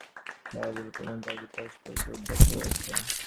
তাহার মনে হইতেছে, বাড়ির দেয়ালগুলা পর্যন্ত তাহাকে উপহাস করিতে উদ্যত রহিয়াছে।